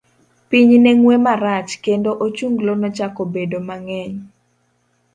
Piny ne ng'we marach, kendo ochunglo nochako bedo mang'eny.